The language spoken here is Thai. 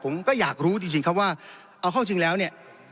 ผมก็อยากรู้จริงครับว่าเอาเข้าจริงแล้วเนี่ย